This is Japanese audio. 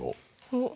おっ。